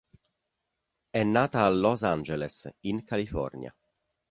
È nata a Los Angeles, in California.